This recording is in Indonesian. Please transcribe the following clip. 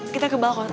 kita ke balkon